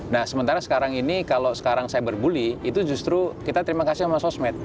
nah sementara sekarang ini kalau sekarang cyberbully itu justru kita terima kasih sama sosmed